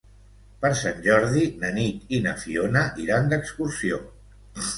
Per Sant Jordi na Nit i na Fiona iran d'excursió.